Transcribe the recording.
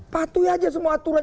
patuhi aja semua aturan